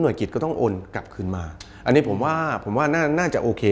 กิจก็ต้องโอนกลับคืนมาอันนี้ผมว่าผมว่าน่าจะโอเค